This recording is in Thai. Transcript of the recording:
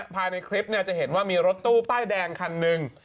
ภายในคลิปจะเห็นว่ามีรถตู้ป้ายแดงคันหนึ่ง